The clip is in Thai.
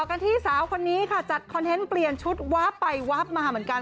กันที่สาวคนนี้ค่ะจัดคอนเทนต์เปลี่ยนชุดวาบไปวาบมาเหมือนกัน